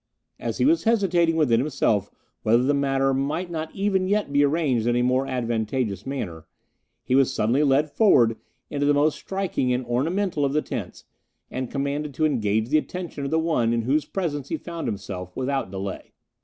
As he was hesitating within himself whether the matter might not even yet be arranged in a more advantageous manner, he was suddenly led forward into the most striking and ornamental of the tents, and commanded to engage the attention of the one in whose presence he found himself, without delay.